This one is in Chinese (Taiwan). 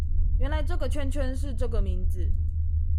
原來這個圈圈是這個名字